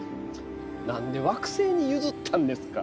なんで「惑星」に譲ったんですか。